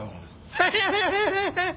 ハハハハ！